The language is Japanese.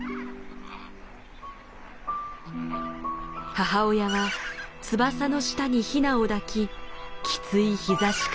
母親は翼の下にヒナを抱ききつい日ざしから守る。